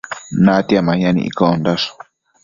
natia mayan iccondash